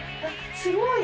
すごい！